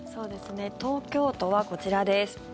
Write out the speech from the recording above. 東京都はこちらです。